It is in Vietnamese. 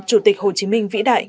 chủ tịch hồ chí minh vĩ đại